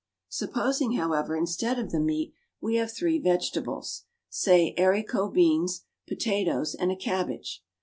Supposing, however, instead of the meat, we have three vegetables say haricot beans, potatoes, and a cabbage.